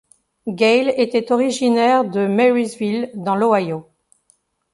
Gale était originaire de Marysville dans l’Ohio.